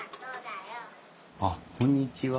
あっこんにちは。